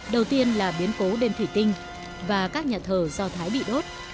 đầu tiên là biến cố đêm thủy tinh và các nhà thờ do thái bị đốt